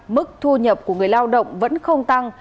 mức thu nhập của người lao động vẫn không tăng